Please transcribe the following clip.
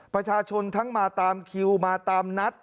ประชาชนทั้งมาตามคิวมาตามนัด